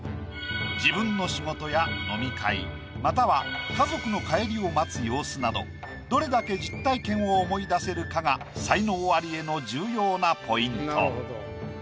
自分の仕事や飲み会または家族の帰りを待つ様子などどれだけ実体験を思い出せるかが才能アリへの重要なポイント。